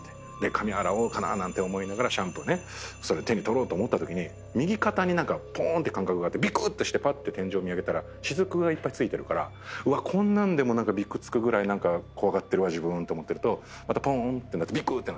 髪洗おうかななんて思いながらシャンプーね手に取ろうと思ったときに右肩にぽーんって感覚があってびくっとして天井見上げたら滴がいっぱい付いてるからこんなんでもびくつくぐらい怖がってるわ自分と思ってるとまたぽーんってなってびくって。